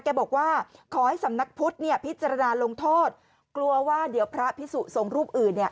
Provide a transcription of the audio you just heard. บอกว่าขอให้สำนักพุทธเนี่ยพิจารณาลงโทษกลัวว่าเดี๋ยวพระพิสุสงฆ์รูปอื่นเนี่ย